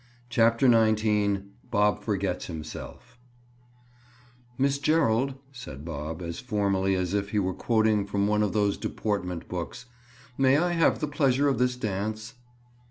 CHAPTER XIX—BOB FORGETS HIMSELF "Miss Gerald," said Bob as formally as if he were quoting from one of those deportment books, "may I have the pleasure of this dance?"